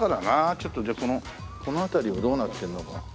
ちょっとじゃあこの辺りをどうなってんのか。